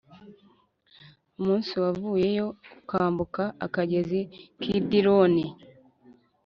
Umunsi wavuyeyo ukambuka akagezi Kidironi